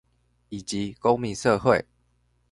以及公民社會